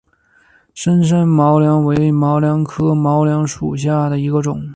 深山毛茛为毛茛科毛茛属下的一个种。